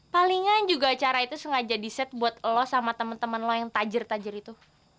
palingan juga acara itu sengaja di set buat lo sama teman teman lo yang tajr tajir itu